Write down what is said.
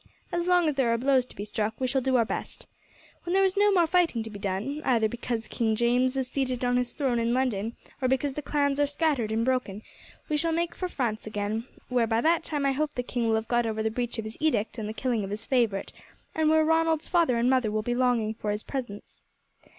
As long as there are blows to be struck we shall do our best. When there is no more fighting to be done, either because King James is seated on his throne in London, or because the clans are scattered and broken, we shall make for France again, where by that time I hope the king will have got over the breach of his edict and the killing of his favourite, and where Ronald's father and mother will be longing for his presence."